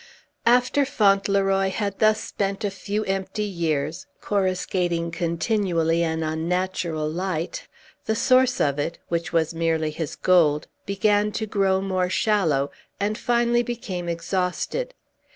After Fauntleroy had thus spent a few empty years, coruscating continually an unnatural light, the source of it which was merely his gold began to grow more shallow, and finally became exhausted.